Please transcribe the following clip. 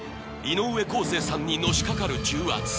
井上康生さんにのしかかる重圧